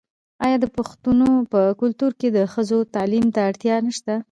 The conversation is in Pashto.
آیا د پښتنو په کلتور کې د ښځو تعلیم ته اړتیا نشته؟